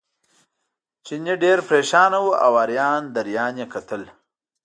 چیني ډېر پرېشانه و او اریان دریان یې کتل.